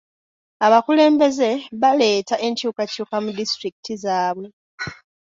Abakulembeze baleeta enkyukakyuka mu disitulikiti zaabwe.